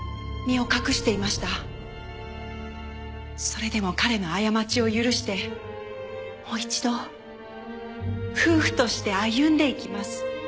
それでも彼の過ちを許してもう一度夫婦として歩んでいきます。